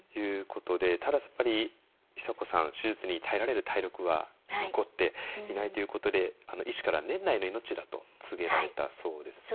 ただやっぱり久子さん手術に耐えられる体力は残っていないということで医師からは年内の命だと告げられたそうですね。